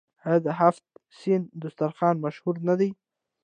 آیا د هفت سین دسترخان مشهور نه دی؟